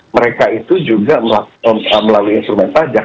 mereka itu juga melalui instrumen pajak